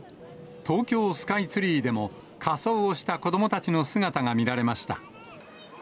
東京スカイツリーでも、仮装をした子どもたちの姿が見られました。